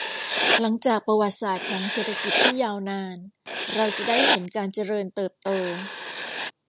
หลังจากประวัติศาสตร์ของเศรษฐกิจที่ยาวนาน เราจะได้เห็นการเจริญเติบโต